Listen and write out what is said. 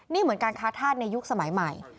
นี่เหมือนการค้าธาตุในยุคสมัยใหม่